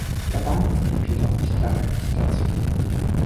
Der Bahnhof blieb jedoch nicht lange Endstation.